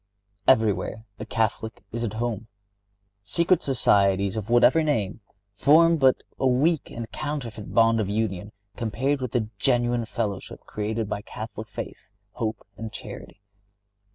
Everywhere a Catholic is at home. Secret societies, of whatever name, form but a weak and counterfeit bond of union compared with the genuine fellowship created by Catholic faith, hope and charity.